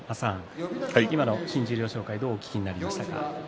今の新十両紹介どうお聞きになりましたか？